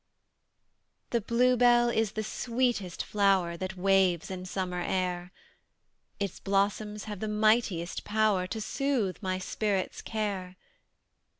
The Bluebell is the sweetest flower That waves in summer air: Its blossoms have the mightiest power To soothe my spirit's care.